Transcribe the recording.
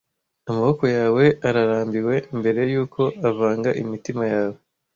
amaboko yawe ararambiwe mbere yuko avanga imitima yawe